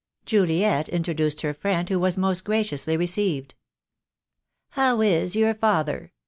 Juliet introduced her friend, who was most graciously received. "How is your father?"